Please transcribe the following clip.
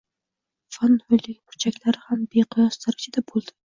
Fan oyligi burchaklari ham beqiyos darjada bo‘ldi.